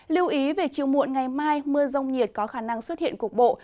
lưu ý về chiều muộn ngày mai mưa rông nhiệt có khả năng xuất hiện cục bộ